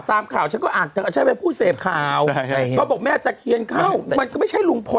ตามข่าวฉันก็อ่านเธอใช่ไหมผู้เสพข่าวเขาบอกแม่ตะเคียนเข้ามันก็ไม่ใช่ลุงพล